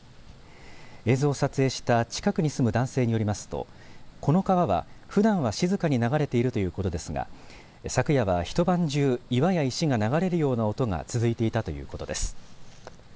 映像を撮影した近くに住む男性によりますと、この川はふだんは静かに流れているということですが昨夜は一晩中、岩や石が流れるような音が続いていたということです。